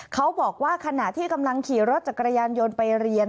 เขาบอกว่าขณะที่กำลังขี่รถจักรยานยนต์ไปเรียน